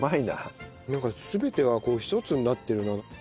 なんか全てがこう一つになってるな。